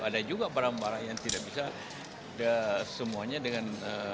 ada juga barang barang yang tidak bisa semuanya dengan